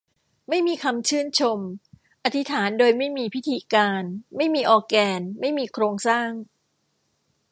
ไม่มีคำชื่นชม อธิษฐานโดยไม่มีพิธีการ ไม่มีออร์แกน ไม่มีโครงสร้าง